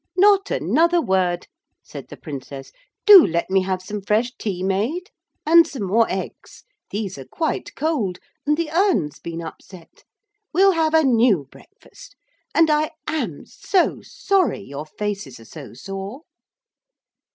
'Not another word,' said the Princess, 'do let me have some fresh tea made. And some more eggs. These are quite cold. And the urn's been upset. We'll have a new breakfast. And I am so sorry your faces are so sore.'